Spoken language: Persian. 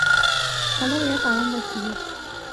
حالا باید برام بخونی